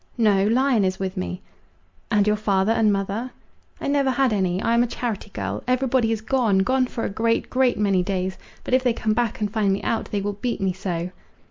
"No, Lion is with me." "And your father and mother?—" "I never had any; I am a charity girl. Every body is gone, gone for a great, great many days; but if they come back and find me out, they will beat me so!"